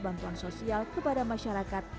bantuan sosial kepada masyarakat